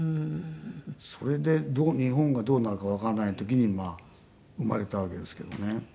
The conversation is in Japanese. それで日本がどうなるかわからない時に生まれたわけですけどね。